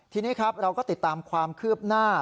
ทีนี้ครับเราก็ติดตามความคืบหน้า